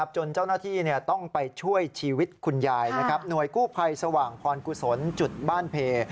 จนเจ้าหน้าที่ต้องไปช่วยชีวิตคุณยายหน่วยกู้ภัยสว่างพรกุศลจุดบ้านเพ